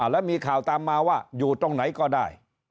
แล้วมีข่าวตามมาว่าอยู่ตรงไหนก็ได้